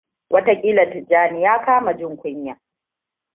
Watakila Tijjani ya kama jin kunya.